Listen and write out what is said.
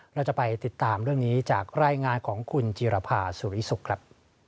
เราจะไปติดตามเรื่องนี้จากรายงานของคุณจิรภาสุริสุขครับ